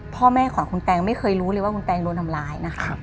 พ่อแม่ของคุณแตงไม่เคยรู้เลยว่าคุณแตงโดนทำร้ายนะคะ